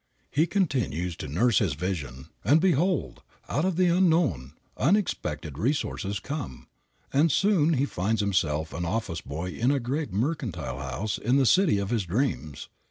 He continues to nurse his vision, and behold, out of the unknown, unexpected resources come, and soon he finds himself an office boy in a great mercantile house in the city of his dreams.